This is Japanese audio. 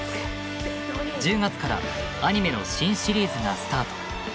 １０月からアニメの新シリーズがスタート！